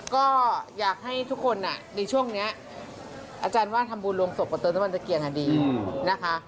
ก็อยากให้ทุกคนในช่วงนี้อาจารย์ว่าทำบูรณ์ลงศพกว่าเติมต้นมันจะเกียรติฮะดีนะคะ